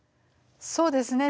そうですね。